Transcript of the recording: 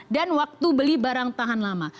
dan waktu beli barang tahan lama